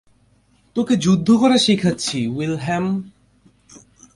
তোকে যুদ্ধ করা শিখাচ্ছি, উইলহেম!